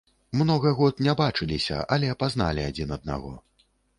Многа год не бачыліся, але пазналі адзін аднаго.